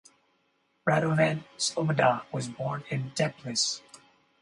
Radovan Sloboda was born in Teplice.